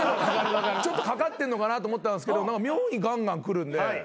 ちょっとかかってんのかなと思ったんですけど妙にガンガンくるんで。